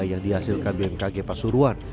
yang dihasilkan bmkg pasuruan